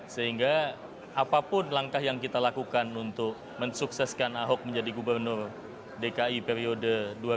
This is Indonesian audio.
sehingga apapun langkah yang kita lakukan untuk mensukseskan ahok menjadi gubernur dki periode dua ribu tujuh belas dua ribu dua puluh dua